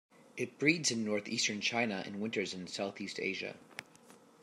It breeds in northeastern China and winters in southeast Asia.